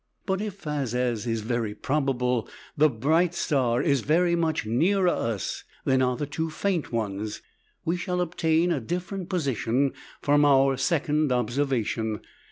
But if, as is very probable, the bright star is very much nearer us than are the two faint ones, we shall obtain a different position from our second observation.